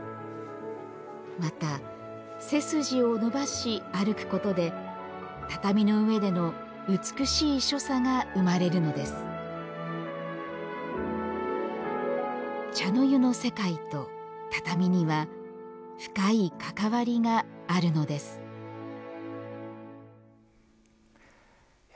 また「背筋を伸ばし歩く」ことで畳の上での美しい所作が生まれるのです茶の湯の世界と畳には深い関わりがあるのですいや